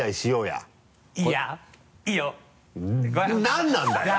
何なんだよ！